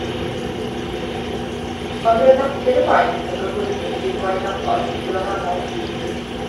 Ond roedd natur y gwaith a gyflwynwyd i Flaenafon yn wahanol.